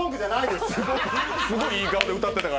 すごいいい顔で歌ってたから。